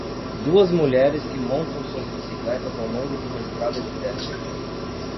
Duas mulheres que montam suas bicicletas ao longo de uma estrada de terra.